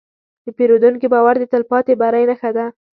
د پیرودونکي باور د تلپاتې بری نښه ده.